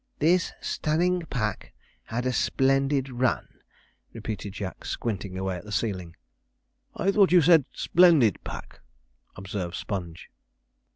'This stunning pack had a splendid run,' repeated Jack, squinting away at the ceiling. 'I thought you said splendid pack,' observed Sponge.